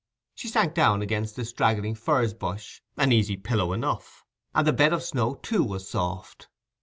She sank down against a straggling furze bush, an easy pillow enough; and the bed of snow, too, was soft.